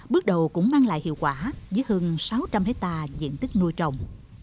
bước đầu cũng mang lại hiệu quả với hơn sáu trăm linh hectare diện tích nuôi trồng